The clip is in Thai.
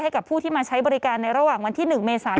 ให้กับผู้ที่มาใช้บริการในระหว่างวันที่๑เมษา